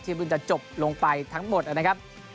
เพิ่งจะจบลงไปทั้งหมดนะครับ